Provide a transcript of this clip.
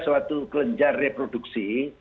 suatu kelenjar reproduksi